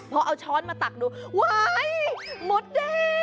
เพราะเอาช้อนมาตักดูว้ายม็อตแดง